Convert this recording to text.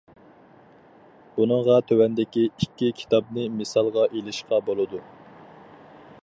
بۇنىڭغا تۆۋەندىكى ئىككى كىتابنى مىسالغا ئېلىشقا بولىدۇ.